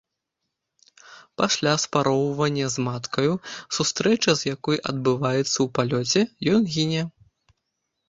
Пасля спароўвання з маткаю, сустрэча з якою адбываецца ў палёце, ён гіне.